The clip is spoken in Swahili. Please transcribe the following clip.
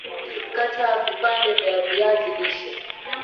kata vipande vya viazi lishe